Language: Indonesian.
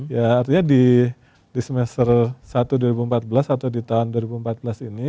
ya artinya di semester satu dua ribu empat belas atau di tahun dua ribu empat belas ini